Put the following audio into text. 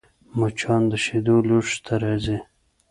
مچان د شیدو لوښي ته راځي